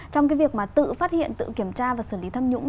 trong cái việc mà tự phát hiện tự kiểm tra và xử lý tham nhũng